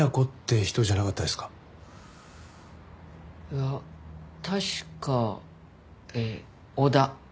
いや確かえー小田。